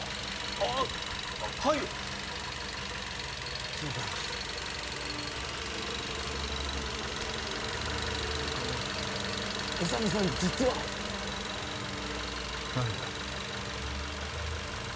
ああッはいそうかあの宇佐美さん実は何だ？